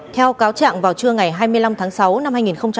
theo cáo trạng vào trưa ngày hai mươi năm tháng sáu năm hai nghìn hai mươi